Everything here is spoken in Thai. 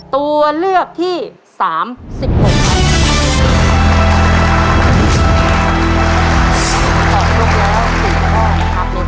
ตัวเลือดที่๓ม้าลายกับนกแก้วมาคอ